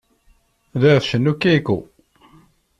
La tcennu Keiko.